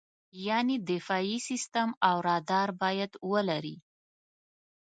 یعنې دفاعي سیستم او رادار باید ولرې.